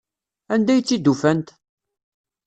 Anda ay tt-id-ufant?